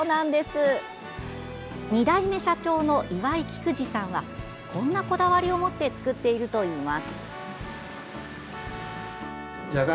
２代目社長の岩井菊之さんはこんなこだわりを持って作っているといいます。